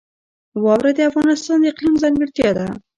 واوره د افغانستان د اقلیم ځانګړتیا ده.